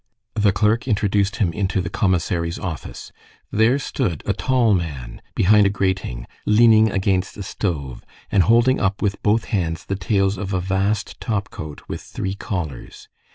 The clerk introduced him into the commissary's office. There stood a tall man behind a grating, leaning against a stove, and holding up with both hands the tails of a vast topcoat, with three collars.